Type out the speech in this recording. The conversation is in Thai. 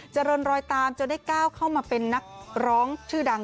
เจริญรอยตามจนได้ก้าวเข้ามาเป็นนักร้องชื่อดัง